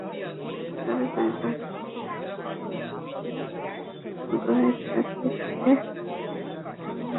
একবার পরিবারের সঙ্গে গোয়ায় বেড়াতে গিয়ে সালমানের দেখা হয়েছিল সোনমের সঙ্গে।